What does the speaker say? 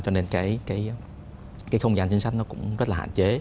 cho nên cái không gian chính sách nó cũng rất là hạn chế